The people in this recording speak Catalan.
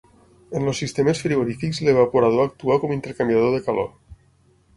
En els sistemes frigorífics l'evaporador actua com intercanviador de calor.